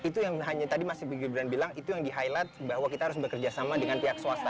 itu yang hanya tadi mas sipil gibran bilang itu yang di highlight bahwa kita harus bekerja sama dengan pihak swasta